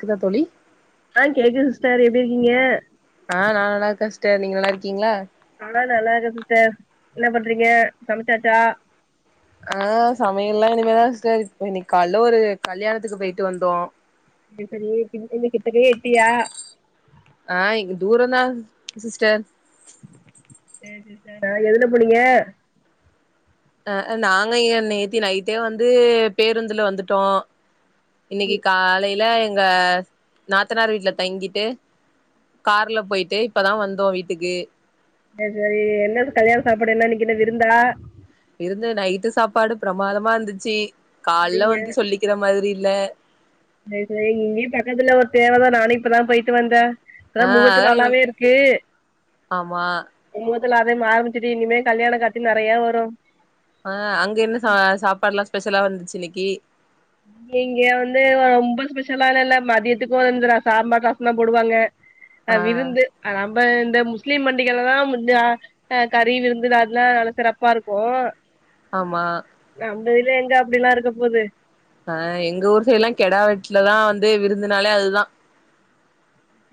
கதா தோழி ஆஹ் கேக்குது சிஸ்டர் எப்படி இருக்கீங்க ஆஹ் நல்லாருக்கே சிஸ்டர் நீங்க நல்லா இருக்கீங்களா ஆனா நல்லா இருகே சிஸ்டர் என்ன பண்றீங்க சமைச்சாச்சா ஆஹ் சமையல் எல்லாம் இனிமேதான்சிஸ்டர் இன்னைக்கு கால ஒரு கல்யாணத்துக்கு போயிட்டு வந்தோம் ச என் கத்தக்கு ஏட்டிய தூரந்தான் சிஸ்டர் சரி ச எதுன புனீங்க அஹ நாங்க ஏன் நேத்தி நைட்டே வந்து பேருந்துல வந்துட்டோம் இன்னைக்கு காலையில அங்க நாத்தனார் வீட்டுல தங்கிட்டு கார்ல போயிட்டு இப்பதான் வந்தோம் வீட்டுக்கு சரி சரி என்ன கல்யண சாப்பிடடு என்ன இருந்தா [unintelligible] இருந்து நைட்டு சாப்பாடு பிரமாதமா இருந்துச்சு கால்ல வந்து சொல்லிக்கிற மாதிரி இல்ல சேரி சேரி இங்கேயும் பக்கத்தல ஒரு தேவைதான் நானும் இப்பதான் போயிட்டு வந்தேன் ஆ அதான் முகூர்த்த அதா இன்னைக் நாளாவே இருக்கு ஆமா முகூ இல்ல அதான் ஆரம்பிச்சுட்டு இனிமே கல்யாணம் காட்தி நெறய வரும் ஆஹ் அங்க என்ன ச சாப்பாடு எல்லாம் ஸ்பெஷலா வந்துச்சு இன்னைக் கி இங்க வந்து ரொம்ப ஸ்பெஷல்லாம் இல்ல மதியத்துக்கும் அந்த சாம்பார் ரசம் தான் போடுவாங்க அஹ் ஆ விருந்து நம்ம இந்த முஸ்லீம் பண்டிகல்லாம் முச்ஹ் கறி விருந்தது அதெல்லாம் நல்லா சிறப்பா இருக்கும் ஆமா டெய்லியும் எங்க அப்படியெல்லாம் இருக்க போகுது அஹ் எங்க ஊர் சைடுல்லாம் கெடா வெட்லதான் வந்து விருந்தனாலே அதுதான்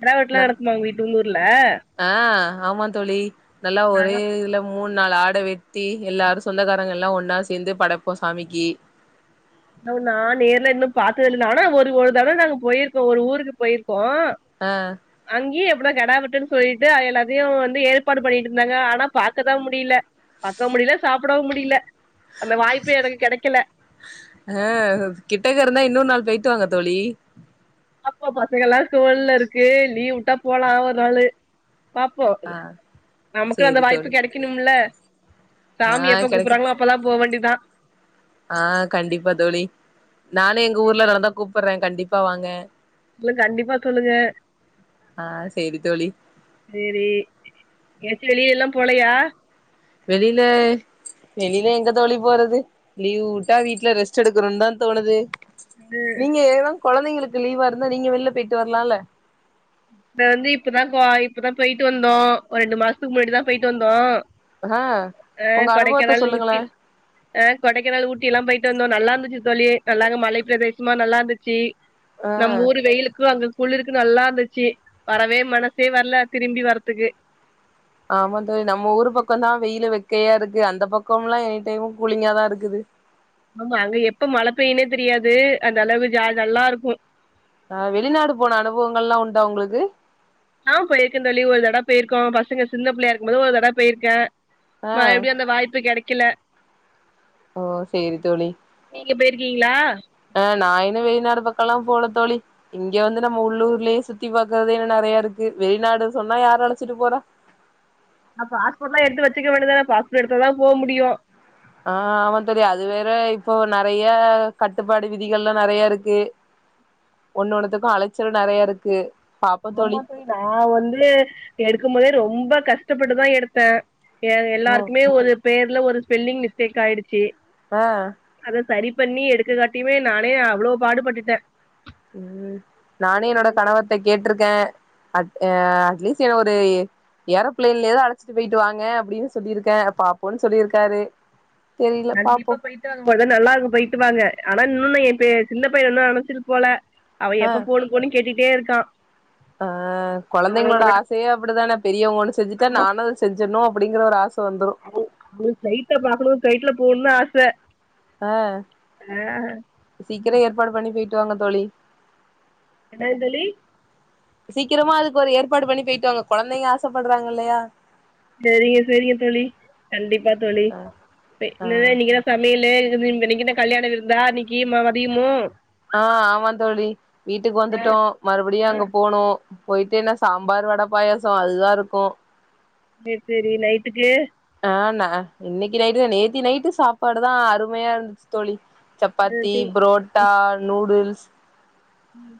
கெடாவெட்லாம் நடக்குமா உங்க வீட்டு உங்க ஊர்ல ஆ ஆமா தோழி நல்லா ஒரே நாங்க இதுல மூணு நாள் ஆட வெட்டி எல்லாரும் சொந்தக்காரங்கள் எல்லாம் ஒன்னா சேர்ந்து படைப்போம் சாமிக்கு நான் நேர்ல இன்னும் பார்த்தது இல்ல ஆனா ஒரு ஒரு தடவை நாங்க போயிருக்கோம் ஒரு ஊருக்கு போயிருக் கோம் ஆ அங்கயே எ அ கடா விட்டுன்னு சொல்லிட்டு எல்லாத்தையும் வந்து ஏற்பாடு பண்ணிட்டு இருந்தாங்க ஆனா பாக்கதான் முடியல பாக்க முடியல சாப்பிடவும் முடியல அந்த வாய்ப்பு எனக்கு கெடக்கல அஹ் கிட்டக்க இருந்தா இன்னொரு நாள் போய்ட்டு வாங்க தோழி அப்ப பசங்கல்ல கோல்ல இருக்கு லீவுட்டா போலம் ஒரு நாளு ஆ பாப்போம் நமக்கு அந்த சேரி வாய்ப்பு தோழி கிடைக்கணும்ல ஆ சாமி எப்ப கூப்பிறாங்களோ அப்பதான் போ வேண்டிதான் ஆஹ் கண்டிப்பா தோழி நானும் எங்க ஊர்ல நடந்தா கூப் பறேன் கண்டிப்பா வாங்க இல்ல கண்டிப்பா சொல்லுங்க ஆ சேரி தோழி சேரி ஏசி வெளிய எல்லாம் போலையா வெளியில வெளியில எங்க தோழி போறது லீவ் விட்டா வீட்டுல ரெஸ்ட் எடுக்கனும்னு தான் தோணுது நீங்க ஏதாம் குழந்தைங்களுக்கு லீவா இருந்தா நீங்க வெளில போயிட்டு வரலாம்ல நா வந்து இப்பதான் கோ இப்பதான் போயிட்டு வந்தோம் ஒரு ரெண்டு மாசத்துக்கு முன்னாடிட்டு தான் போயிட்டு வந்தோம் ஆ அஹ் உங்க அனுபவத்த கொடைக்கநாள் சொல்லுங்களே ஊட்டி ஆஹ் கொடைக்கனல்ஊட்டி எல்லாம் போயிட்டு வ நல்லா இருந்துச்சு தோழி நல்லா மலை பிரதேசமா நல்லா இருந்துச்சு ஆ நம்ம ஊரு வெயிலுக்கும் அங்க குளுருக்கு நல்லா இருந்துச்சு வரவே மனசே வர்ல திரும்பி வரத்துக்கு ஆமா தோழி நம்ம ஊரு பக்கோந்தா வெயிலு வெ கக்கையா இருக்கு அந்த பக்கம்ல்லா எனி டைமு கூலிங்காாதா இருக்குது ஆமா அங்க எப்ப மழ பெய்னே தெரியாது அந்த அளவு ஜா நல்லா இருக்கு அ வெளிநாடு போன அனுபவங்கள்ல்லா உண்டா உங்களுக்கு ஆ போயிருக்க தோழி ஒரு தடவ பேய்ருக்கோ பசங்க சின்ன பிள்ளையா இருக்கும் போது ஒரு தடவ பேய்ருக்க ஆ மா எப்டியு அந்த வாய்ப்பு கெடைக் கில ஓ செரி தோழி நீங்க பேய்ருக்கீங்ளா அ நா இன்னு வெளிநாடு பக்கோல்லா போல தோழி இங்க வந்து நம்ம உள்ளூர்லே சுத்தி பாக்கறதே இன்னு நெறையா இருக்கு வெளிநாடு சொன்னா யார் அழச்சிட்டு போறா ஆ பாஸ்போட்லா எடுத்து வச்சுக்க வேண்டிதான பாஸ்போட் எடுத்தாதா போ முடியு ஆ ஆமா தோழி அது வேற இப்போ நறைய கட்டுப்பாடு விதிகள்னு நறைய இருக்கு ஒன்னு ஒண்ணுத்துக்கு அலச்சல் நறைய இருக்கு ஆமா தோழி நா வந்து எடுக்கும் போதே ரொம் ப கஷ்டப்பட்டுதா எடுத்த எ ஓ எல்லாருக்குமே ஒரு பேர்ல ஒரு ஸ்பெல்லிங் மிஸ்டேக் ஆய்டுச்சு அ சரி பண்ணி எடுக்க காட்டியுமே நானே அவ்ளோ பாடுபட்டுட்ட ம் நானே என்னோட கனவத்தை கேட்ருக் க அ அட்லீஸ் என்ன ஒரு ஏரோபிளைன்லயாது அழச்சிட்டு போய்ட்டு வாங்க அப்டின்னு சொல்லிருக்க பா்ப்புன்னு சொல்லிருக்காரு கண்டிப்பா போய்ட்டு வாங்க மொத நல்லா இருக்கு போய்ட்டு வாங்க ஆனா இன்னொன்னு என் இப்ப சின்ன பைய இன்னு அழசிட்டு போல அவ ஆ எப்ப போணு போனு கேட்டுட்டே இருக் தா ஆ கொழந்தைங்களோட ஆசையே அப்டிதான பெரியவங்க ஒன்னு செஞ்சுட்டா ஆமா நானு செஞ்சிட்ணு அப்டிங்கிற ஒரு ஆச வந்துரு அவ அவனுக்கு ப்ளைட்ட பாக்கணு ப்ளைட்ல பூணு ஆச அ ஆ சீக்கிரோ ஏற்பாடு பண்ணி போய்ட்டு வாங்க தோழி என்னாது தோழி சீக்கிரமா அதுக்கு ஒரு ஏற்பாடு பண்ணி போய்ட்டு வாாங்க கொழந்தைங்க ஆசைப்படுறாங்க இல்லையா செரிங்க செரிங்க தோழி கண்டிப்பா தோழி ஆ என்ன தா இன்னிக்கு என்ன சமையலு இன் இன்னைக்கு என்ன கல்யாண விருந்தா இன்னிக்கு ம மதியமு ஆ ஆமாந்தோழி வீட்டுக்கு வந்துட்டோ மறுபடியு அங்க போனு போய்ட்டே என்ன சாம்பார் வட பாயசோ அதுதா இருக்கு சேர் சேரி நைட்டுக்கு ஆஹ் ந இன்னைக்கு நைட்டு தா நேத்தி நைட்டு சாப்பாடு தா அருமையா இருந்துச்சு தோழி ஆ சப்பாத்தி டீ பரோட்டா நூடுல்ஸ் உம்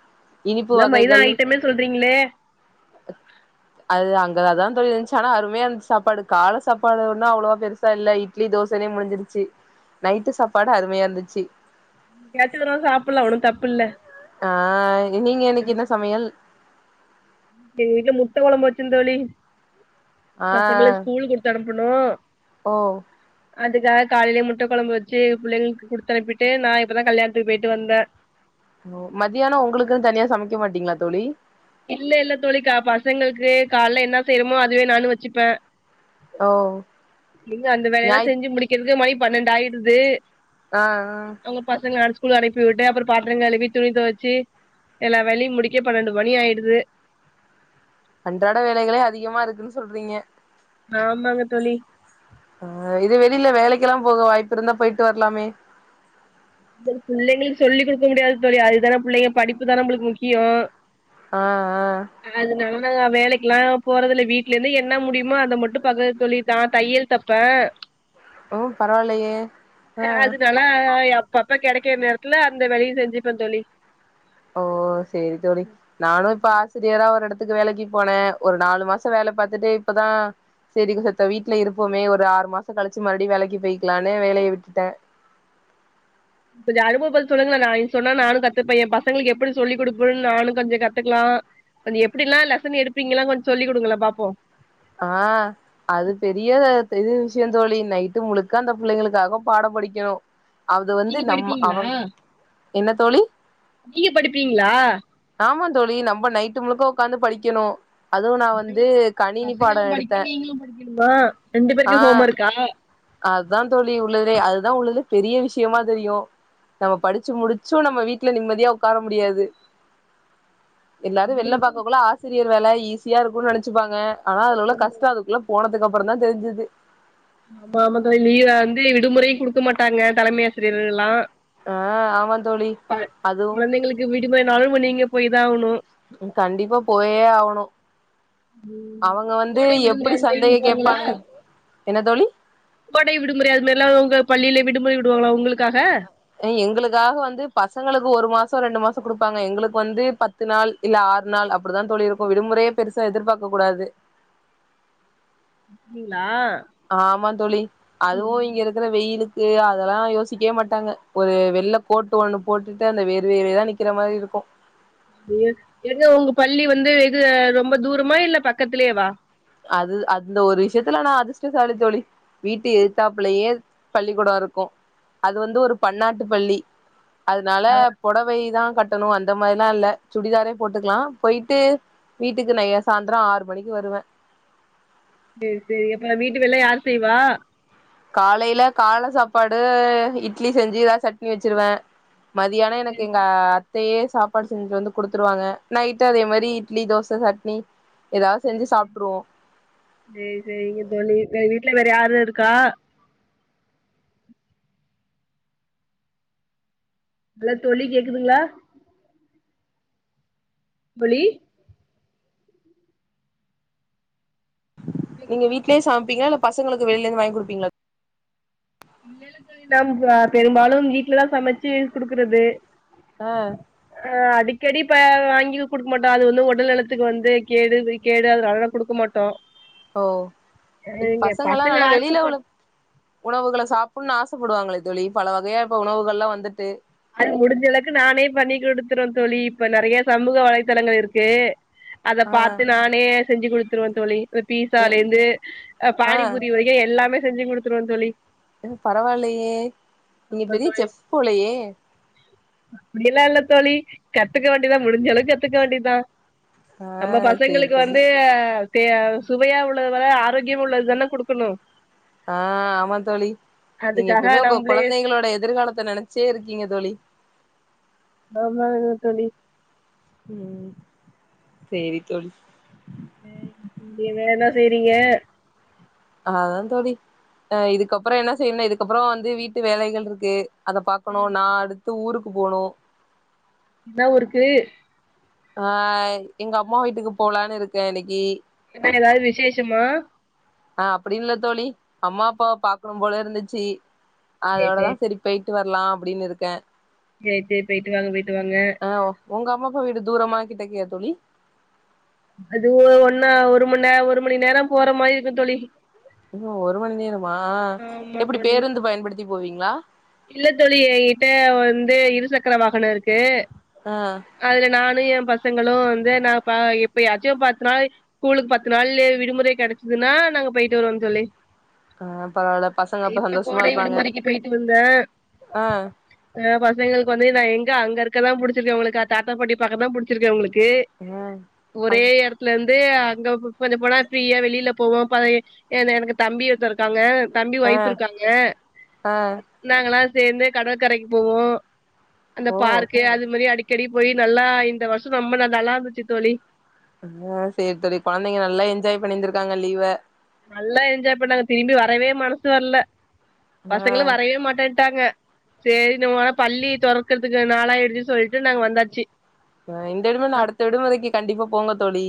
இனிப்பு எல்லா மைதா வகைகள் ஐட்டமே சொல்றீங்களே ங்க அத தா தோழி இருந்துச்சு ஆனா அருமையா இருந்துச்சு சாப்பாடு கால சாப்பாடு ஒனா அவ்வளவா பெருசா இல்லை இட்லி தோசையனே முடிஞ்சிருச்சு நைட்டு சாப்பாடு அருமையா இருந்துச்சு கேத்து வரான் சாப்பிடலா ஒன்னு தப்புல்ல ஆஹாய் நீங்க இன்னைக்கு என்ன சமையல் எங்க வீட்ல முட்ட குழம்பு வச்ச தோழி ஆ பசங்கல ஸ்கூல் கொடுத்து அனுப்பணு ஓ அதுக்காக காலையிலயே முட்ட கொழம்பு வச்சு பிள்ளைங்களுக்கு குடுத்து அனுப்பிட்டு நா இப்பதா கல்யாணத்துக்கு போயிட்டு வந்த மதியானோ உங்களுக்குன்னு தனியா சமைக்க மாட்டீங்களா தோழி இல்ல இல்ல தோழிக்கா பசங்களுக்கு கால என்ன செய்யறோமோ அதுவே நானு வச்சுப்ப ஓ இன்ன அந்த வேலெல்லா ஞாய் செஞ்சு முடிக்கிறதுக்கு மணி பன்னெண்டு ஆயி அது ஆஹ் ஹ் ஸ்கூல் அனுப்பி விட்டு அப்புற பாத்திரம் கழுவி துணி துவச்சு எல்லாம் வேலை முடிக்க பன்னெண்டு மணி ஆய்டு து அன்றாட வேலைகளே அதிகமா இருக்குன்னு சொல்றீங்க ஆமாங்க தோழி அஹ் இது வெளில வேலைக்கு க்கெல்லா போக வாய்ப்பு இருந்தா போயிட்டு வரலாமே பிள்ளைங்களுக்கு சொல்லி கொடுக்க முடியாது தோழி அதுதானே பிள்ளைங்க படிப்பு தானே நம்மளுக்கு முக்கியோ ஆ அதுனால நாங்க வேலைக்கு ல்லாம் போறதுல வீட்ல இருந்து என்ன முடியுமோ அதை மட்டும் பன்னுவ தோழி நான் தையல் தைப்பேன் ஓ பரவாயில்லையே ஆஹ் அதனால அப்பப்ப கிடைக்கற நேரத்துல அந்த வேலையையும் செஞ்சுப்பேன் தோழி ஓ சரி தோழி நானும் இப்ப ஆசிரியரா ஒரு இடத்து த்துக்கு வேலைக்கு போனேன் ஒரு நாலு மாசம் வேலை பார்த்துட்டு இப்பதான் சரி செத்த வீட்டுல இருப்போமே ஒரு ஆறு மாசம் கழிச்சு மறுபடியும் வேலைக்கு போயக்கலான்னு வேலைய விட்டுட்டேன் கொஞ்சம் அனுபவம் பாத்து சொல்லுங்களன் நான் சொன்னா நானும் கத்துப்பேன் என் பசங்களுக்கு எப்படி சொல்லி கொடுப்பன்னு நானும் கொஞ்சம் கத்துக்கலாம் கொஞ்சம் எப்படிலாம் லெசன் எடுப்பீங்களாம் கொஞ்சம் சொல்லி கொடுங்கங்களா பாப்போம் ஆஹ் அது பெரிய விஷயம் தோழி நைட்டு முழுக்க அந்த பிள்ளைங்களுக்காக பாடம் படிக்கணும் நீங்க படிப்பீங்களா என்ன தோழி நீங்க படிப்பீங்களா ஆமா தோழி நம்ம நைட்டு முழுக்க உட்காந்து படிக்கணும் ப பசங்களும் எடுத்தே படிக்கணும் நீங்களும் படிக்கணுமா ரெண்டு பேருக்கும் ஹோம் ஒர்க்கா அதுதான் தோழி உள்ளதே அதுதான் உள்ளது பெரிய விஷயமா தெரியும் நம்ம படிச்சு முடிச்சும் நம்ம வீட்டுல நிம்மதியா உட்கார முடியாது எல்லாரும் வெள்ள பார்க்கக்குள்ள ஆசிரியர் வேலை ஈசி ஈசியா இருக்கும்ன்னு நினைச்சப்பாங்க ஆனா அதுல உள்ள கஷ்டம் அதுக்குள்ள போனதுக்கு அப்பறம் தா தெரிஞ்சது ஆமா ஆமா தலை லீவ வந்து விடுமுறையும் கொடுக்க மாட்டாங்க தலைமை ஆசிரியர்கள் எல்லாம் ஆ ஆமா தோழி ப அதுவு குழந்தைங்களுக்கு விடும நாலும் ப நீங்க போய்தாகணு கண்டிப்பா போயே ஆகணு கோடை விடுமுறை அது மாரி சந்தைய விடுவாங்களா கேப்பானுங் என்ன தோழி கோடை விடுமுறை அது மாறில அவங்க பள்ளியில விடுமுறை விடுவாங்களா உங்களுக்காக எங்களுக்காக வந்து பசங்களுக்கு ஒரு மாசம் ரெண்டு மாசம் கொடுப்பாங்க எங்களுக்கு வந்து பத்து நாள் இல்ல ஆறு நாள் அப்படிதா தோழி இருக்கும் விடுமுறையே பெருசா எதிர்பார்க்க கூடாது ங்களா ஆமா தோழி அதுவு இங்க இருக்கிற வெயிலுக்கு அதெல்லா யோசிக்கவே மாட்டாங்க ஒரு வெள்ள கோட்டு ஒண்ணு போட்டுட்டு அந்த வேர்வையிலேயே நிக்கற மாரி இருக்கும் ஏது உங்க பள்ளி வந்து எது ரொம்ப தூரமா இல்ல பக்கத்துிலயேவா அது அந்த ஒரு விஷயத்துல நான் அதிர்ஷ்டசாலி தோழி வீட்டு எத்தாப்புள்ளையே பள்ளிக்கூடம் இருக்கும் அது வந்து ஒரு பன்னாட்டு பள்ளி அதனால ஆ புடவைதான் கட்டணும் அந்த மாரிிலாம் இல்ல சுடிதாரே போட்டுக்கலா போயிட்டு வீட்டுக்கு நைய சாய்ந்திரம் ஆறு மணிக்கு வருவேன் சேரி சேரி அப்ப வீட்டு வேலலா யார் செய்வா காலையில கால சாப்பாடு இட்லி செஞ்சு ஏதா சட்னி வச்சிருவேன் மதியானம் எனக்கு எங்க சாப்பாடு செஞ்சுட்டு வந்து குடுத்துருவாங்க நைட்டு அதே மாரி இட்லி தோச சட்னி ஏதாவது செஞ்சு சாப்பிட்டுருவோம் சேரி சேரி இங்க தோனி வேற வீட்டுல வேற யாாரும் இருக்கா ஹலோ தோழி கேக்குதுங்களா [unintelligible] நீங்க கேக்குதா வீடலயே தோழி சமைப்பீங்கள இல்ல பசங்களுக்கு வெளியிலே இருந்து வாங்கி கொடுப்பீங்களா நாம் பெரும்பாலும் வீட்டுலதான் சமைச்சு குடுக்குறது ஆ ஆஹ் அடிக்கு கெடிப்ப வாங்கி கொடுக்க மாட்டோம் அது வந்து உடல் நலத்துக்கு வந்து கேடு கேடு அததுனாலதா கொடுக்க மாட்டோம் ஓ இ பசங்கல்லாம் பசங்க நல்லா வெளியில ஆசப்பட் உள்ளள உணவுக்கு சாப்பிடனு ஆச ப்படுவாங்களே தோழி பல வகையா இப்ப உணவுகள்லாம் வந்துட்டு முடிஞ்சளக்கு நானே பண்ணி் கொடுத்துறோன் தோழி இப்ப நிறைய சமூக வலைத்தளங்கள் இருக்கு அத ஆ பார்த்து நானே செஞ்சு கொடுத்துிருவ அந்தவி எ பீஸாலேந்து் ஆ பானிபூரி வரைக்கும் எல்லாமே செஞ்சு குடுத்துருவே தோழி பரவாயில்யே நீ பெரிய செப் போலையே அப்டிளா இல்ல தோழி கத்துக்க வேண்டிதான் முடிஞ்ச அளவு கத்துக்க வேண்டிதான் ஆ நம்ம சேரி பசங்களுக்கு தோழி வந்து திய சுவையா உள்ளது வர ஆரோக்கியம் உள்ளது தானே கொடுக்கணும் ஆஹ் ஆமா தோழி நீங்க அதுக்காக எப்பயுமே உங்க நம்பளே குழந்தைகளோட எதிர்காலத்தை நினைச்சுட்டே இருக்கீங்க தோழி ஆமா தோழி உம் சரி தோழி வேறதான் செய்றீங்க அதான் தோழி அஹ் இதுக்கப்புறம் என்ன செய்யனா இதுக்கப்புறம் வந்து வீட்டு வேலைகள் இருக்கு அதை பாக்கணும் நான் த்து ஊருக்கு போனோம் என்ன ஊருக்கு ஆஹ் எங்க அம்மா வீட்டுக்கு போலான்னு இருக்கேன் இன்னைக்கு ஏதாவது விசேஷமா ஆஹ் அப்படி இல்ல தோழி அம்மா அப்பாவ பாக்கணும் போல இருந்துச்சு சேரி அதோடதான் சரி பேய ட்டு வரலாம் அப்டின்னு இருக்கேன் சேர் சேர் போயிட்டு வாங்க போயிட்டு வாங்க ஆ உங்க அம்மா அப்பா வீடு தூரமா கிட்ட கிட்டகியா தோழி அது ஒன்னா ஒரு மணி நே ஒரு மணி நேரம் போற மாரி இருக்கும் தொழி இன்னும் ஒரு மணி நேரம் ஆமா தோழி போவீங்களா இல்ல தோழி என்கிட்ட வந்து து இருசக்கர வாகனம் இருக்கு ஆ அதுல நானும் என் பச ங்களும் வந்து நா எப்ப யாச்சும் பத்து நாள் ஸ்கூலுக்கு பத்து நாள் விடுமுறை கிடைச்சிதுன்னா நாங்க போயிட்டு வருவோம் தோழி ஆஹ் இப்ப கோடை விடுமுறைக்கு போயிட்டு வந்தேன் ஆ ஆஹ் பசங்களுக்கு நான் எங்க அங்க இருக்கான்டிச்சிருக்கன் உங்களுக்கு தாத்தாட்டிய பாக்க தான் புடிச்சிருக்கே உங்களுக்கு ஆ க்கு அங் ஒரே இடத்துல இருந்து அங்க கொஞ்சம் போனா ஃப்ரீயா வெளியில போவோம் ப எனக்கு தம்பி ஒருத்த இருக்காங்க தம்பி ஒயிப் இருக்காங்க ஆ நாங்களாம் சேர்ந்து கடற்கரைக்கு போவோம் அந்த ஓ பார்க்கு அது மாரி அடி கெடி போய் நல்லா இந்த வருஷம் நம்ம நல்லா இருந்துச்சு தோழி ஆஹ் சரி சரி குழந்தைங்க நல்லா என்ஜாய் பண்ணிந்திருக்காங்க லீவ நல்லா என்ஜாய் பண்ணாங்க திரும்பி வரவே மனசு வரல ஆ பசங்களும் வரவே மாட்டேன் ட்டாங்க சரி ந உட பள்ளி தோறக்கறதுக்கு நாளா எடுச்சு சொல்லிட்டு நாங்க வந்தாச்சு ஹ் இந்த விடுமு இல்ல அடுத்த விடுமுறைைக்கு கண்டிப்பா போங்க தோழி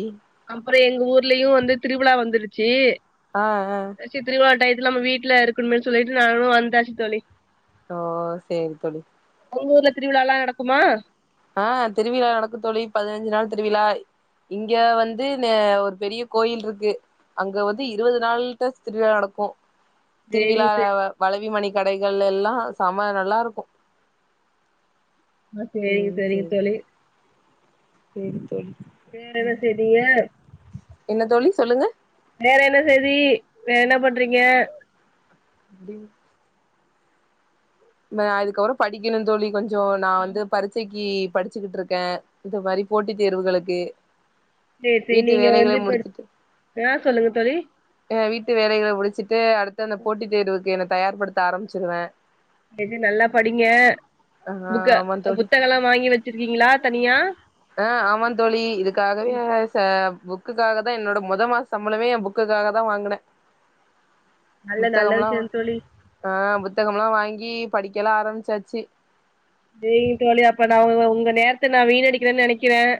அப்புறம் எங்க ஊர்லயும் வந்து திருவிழா வந்துருச்சு ஆ ஆ ச்சி திருவிழா டை இதுலாம நம்ம வீட்டுல இருக்கனும் சொல்லிட்டு நானும் வந்தாச்சு தோழி ஓ சரி தோழி உங்க ஊர்ல திருவிழாா லாம் நடக்குமா ஆஹ் திருவிழா நடக்கு தோழி பதினஞ்சு நாள் திருவிழா இங்க வந்து ஒரு பெரிய கோயில் இருக்கு அங்க வந்து இருபது நாள் திருவிழா நடக்கும் சேரிங்க திருவிழா வளவி மணிக்கு கடைகள் எல்லாம் செம நல்லா இருக்கும் ஆ சரிங்க சரிங்க தேரழி சேரி தோழி வேற என்ன செய்ய என்ன தோழி சொல்லுங்க வேற என்ன செய்தி வேற என்ன பண்றீங்க அடி அதுக்கப்புறம் படிக்கணும் சொல்லி கொஞ்சம் நான் வந்து பரிட்சைக்கு படிச்சுகிட்டு இருக்கேன் இந்த மாதிரி போட்டி தேர்வுகளுக்கு சேரி சேரி வீட்டு நீங்க வேலைகள வந்து முடிச்சுட்டு இப்ப ஆ சொல்லுங்க தோழி ட்டு வேலைகளை முடிச்சிட்டு த்து அடுத்து அந்த போட்டி தேர்வுக்கு என தயார்படுத்த ஆரம்பிச்சிருவேன் சேரி சேரி நல்லா படிங்க ஆ புக்க ஆமா தோழி புத்தகம் எல்லாம் வாங்கி வச்சிருக்கீங்களா தனியா ஆஹ் ஆமா தோழி இதுக்காகவே ம் ச புக்குக்காக தான் என்னோட மொல் மாச சம்பளமே என் புக்குக்காக தான் வாங்குனேன் நல்ல நல்ல விஷயம் தோழி புத்தகம் லாம் வாங்கி படிக்கலாம் ஆரம்பிச்சாச்சு சேரிங்க தோழி அப்ப நான் உ உங்க நேரத்த நான் வீணடிக்கிறேன்னு நினைக்கிறேன்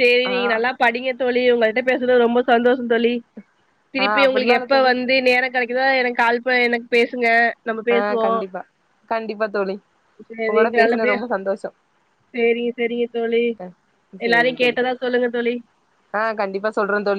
சேரி ஆ நீங்க நல்லா படிங்க தோழி உங்கள்ட்ட பேசுனது ரொம்ப சந்தோஷம் தோழி ஆ திருப்பி உங்களுக்கு அப்டிலா இல்ல எப்ப தோழி வந்து நேரம் கிடைக்குதா எனக்கு கால் பன்னி எனக்கு பேசுங்க நம்ம ஆஹ் பேசுவோ கண்டிப்பா கண்டிப்பா தோழி உங்களோட பேசுனது ரொம்ப சந்தோஷம் சேரி சரிங்க தோழி சேரிங்க எல்லாரையும் தோழி கேட்டதா சொல்லுங்க தோழி ஆ கண்டிப்பா சொல்றே தோழி